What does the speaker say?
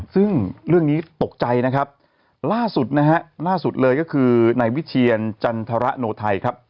ซึ่งเรื่องนี้ตกใจนะครับล่าสุดนะฮะล่าสุดเลยก็คือนายวิเชียรจันทรโนไทยครับ